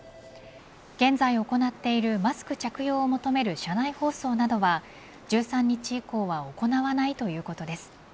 現在行っているマスク着用を求める車内放送などは１３日以降は行わないということです。